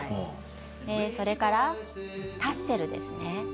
それからタッセルですね。